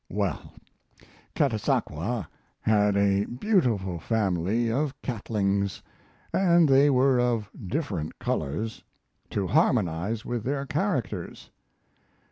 Well, Catasaqua had a beautiful family of cattings; and they were of different colors, to harmonize with their characters.